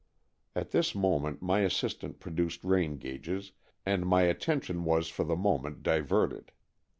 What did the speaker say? At this moment my assistant produced rain gauges, and my attention was for the moment diverted.